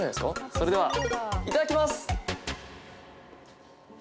それでは、いただきます！